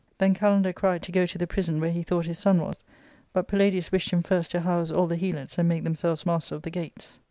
Then Kalander cried to go to the prison where he thought his son was ; but Palladius wished him first to house all the Helots, and make themselves master of the gates.